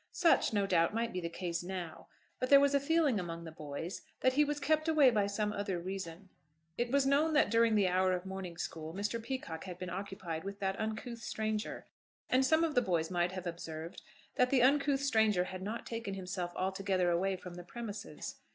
Such, no doubt, might be the case now; but there was a feeling among the boys that he was kept away by some other reason. It was known that during the hour of morning school Mr. Peacocke had been occupied with that uncouth stranger, and some of the boys might have observed that the uncouth stranger had not taken himself altogether away from the premises.